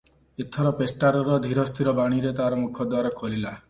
ଏଥର ପେଷ୍ଟାରର ଧୀରସ୍ଥିର ବାଣୀରେ ତାର ମୁଖଦ୍ୱାର ଖୋଲିଲା ।